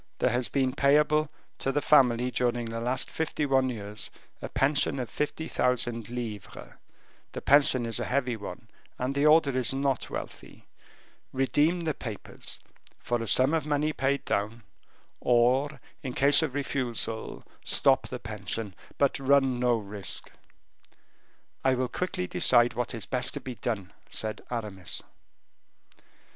There has been payable to the family during the last fifty one years a pension of fifty thousand livres. The pension is a heavy one, and the order is not wealthy. Redeem the papers, for a sum of money paid down, or, in case of refusal, stop the pension but run no risk." "I will quickly decide what is best to be done," said Aramis.